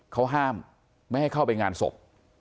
เขาห้ามไม่ให้เข้าไปงานศพ